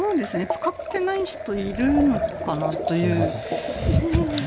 使っていない人いるのかなという。